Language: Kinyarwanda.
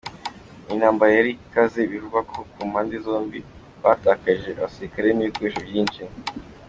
Ni intambara yari ikaze, bivugwa ko ku mpande zombi bahatakarije abasirikare n’ibikoresho byinshi.